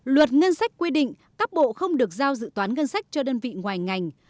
luật ngân sách quy định các bộ không được giao dự toán ngân sách cho đơn vị ngoài ngành